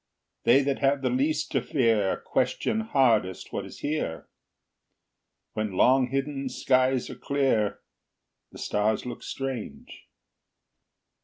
They that have the least to fear Question hardest what is here; When long hidden skies are clear, The stars look strange.